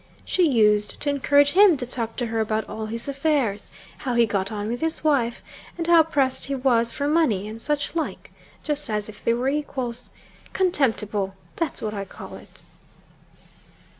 She used to encourage him to talk to her about all his affairs how he got on with his wife, and how pressed he was for money, and such like just as if they were equals. Contemptible that's what I call it.'